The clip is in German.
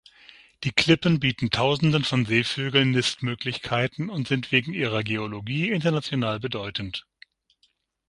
Die Klippen bieten Tausenden von Seevögeln Nistmöglichkeiten und sind wegen ihrer Geologie international bedeutend.